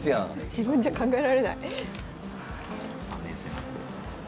自分じゃ考えられない。